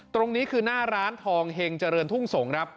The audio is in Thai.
ตรงนี้คือหน้าร้านทองเห็งเจริญทุ่งสงครับ